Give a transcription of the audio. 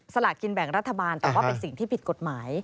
สลากกินแบ่งรัฐบาลแต่ว่าเป็นสิ่งที่ผิดกฎหมาย